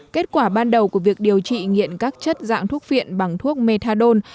kết quả ban đầu của việc điều trị nghiện các chất dạng thuốc viện bằng thuốc methadone